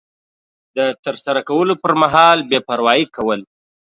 د ترسره کولو پر مهال بې پروایي کول